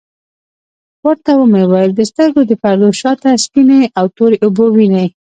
ورته ومي ویل د سترګو د پردو شاته سپیني او توری اوبه وینې ؟